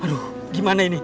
aduh gimana ini